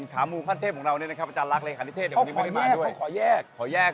เขาก็ขอแยกคอยีก